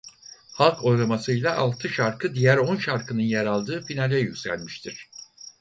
Halk oylamasıyla altı şarkı diğer on şarkının yer aldığı finale yükselmiştir.